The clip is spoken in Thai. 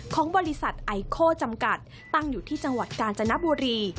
ของบริษัทไอโคจำกัดตั้งอยู่ที่จังหวัดกาญจนบุรี